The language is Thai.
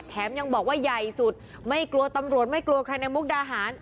ยังบอกว่าใหญ่สุดไม่กลัวตำรวจไม่กลัวใครในมุกดาหาร